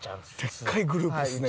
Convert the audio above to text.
でっかいグループですね